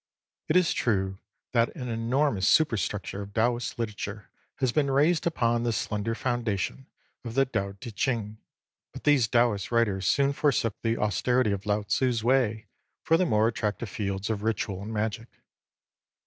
It is true that an enormous superstructure of Taoist literature has been raised upon the slender foundation of the Tao Ti Ching, but these Taoist writers soon forsook the austerity of Lao Tzu's way for the more attractive fields of ritual and magic.